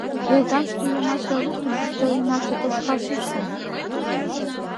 — Йолдам шке йымачда луктын, ӱстел йымаке тошкал шичса.